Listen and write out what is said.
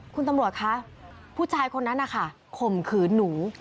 คุณตำรวจคะผู้ชายคนนั้นนะคะข่มขืนหนู